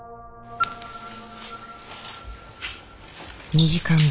２時間後。